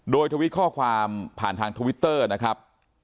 โดยทวิตข้อความผ่านทางทวิตเตอร์นะครับ